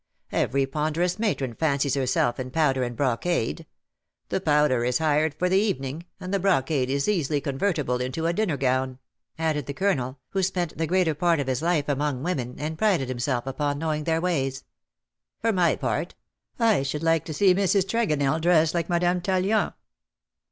Every ponderous matron fancies herself in powder and brocade. The powder is hired for the evening, and the brocade is easily convertible into a dinner gown," added the Colonel, who spent the greater part of his life among women, and prided himself upon knowing their ways. " For my part, I should like to see Mrs. Tregonell dressed like Madame Tallien."